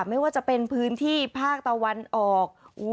ไม่ว่าจะเป็นพื้นที่ภาคตะวันออก